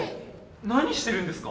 何してるんですか？